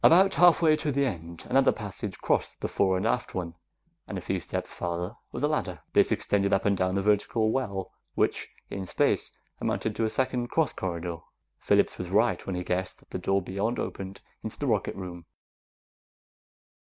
About halfway to the end, another passage crossed the fore and aft one, and a few steps farther was a ladder. This extended up and down a vertical well, which in space amounted to a second cross corridor. Phillips was right when he guessed that the door beyond opened into the rocket room.